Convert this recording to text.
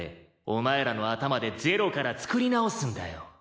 お前らの頭でゼロから創り直すんだよ。